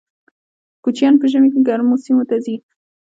کوچیان په ژمي کې ګرمو سیمو ته ځي